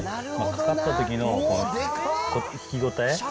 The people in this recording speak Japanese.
かかったときの引き応え？